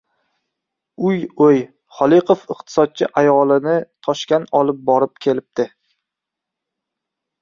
«Uy-o‘y, Holiqov iqtisodchi ayolini Toshkan olib borib kelibdi».